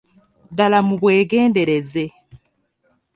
Ddala mubwegendereze.